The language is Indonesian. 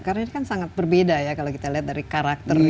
karena ini kan sangat berbeda ya kalau kita lihat dari karakter yang